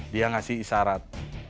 dia ngasih isarat